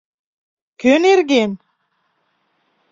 Кӧ нерген?